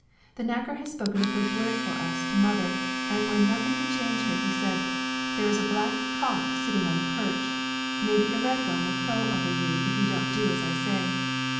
The knacker has spoken a good word for us to mother, and when nothing could change her he said, "There is a black cock sitting on the perch: maybe a red one will crow over you if you don't do as I say."